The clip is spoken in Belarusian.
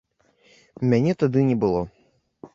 Мяне тады не было.